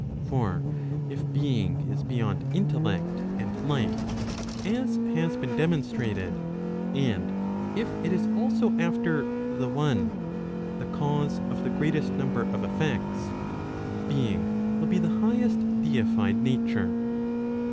For if being is beyond intellect and life, as has been demonstrated, and if it is also after the one the cause of the greatest number of effects, being will be the highest deified nature.